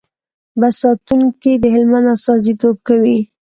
بست ساتونکي د هلمند استازیتوب کوي.